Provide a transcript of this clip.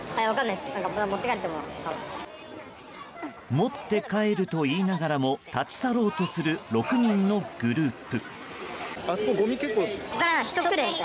持って帰ると言いながらも立ち去ろうとする６人のグループ。